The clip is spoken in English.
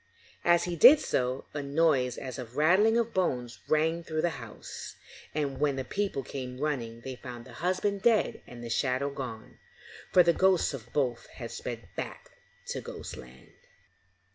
As he did so, a noise as of a rattling of bones rang through the house, and when the people came running, they found the husband dead and the shadow gone, for the ghosts of both had sped back to Ghostland.